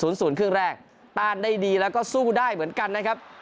ศูนย์ครึ่งแรกต้านได้ดีแล้วก็สู้ได้เหมือนกันนะครับ